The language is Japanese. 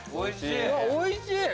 おいしい！